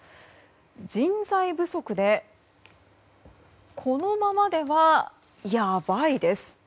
「人材不足でこのままではヤバいです」。